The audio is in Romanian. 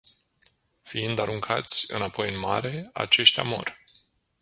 Fiind aruncați înapoi în mare, aceștia mor.